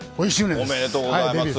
おめでとうございます。